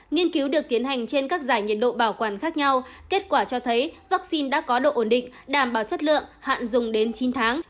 nghiên cứu được tiến hành trên các giải nhiệt độ bảo quản khác nhau kết quả cho thấy vaccine đã có độ ổn định đảm bảo chất lượng hạn dùng đến chín tháng